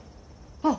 あっ！